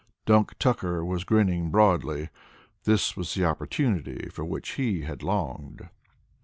Dunk Tucker was grinning broadly. This was the opportunity for which he had longed.